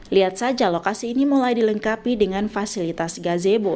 lihat saja lokasi ini mulai dilengkapi dengan fasilitas gazebo